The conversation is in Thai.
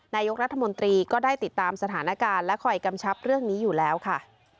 นายกรัฐมนตรีก็ได้ติดตามสถานการณ์และคอยกำชับเรื่องนี้อยู่แล้วค่ะ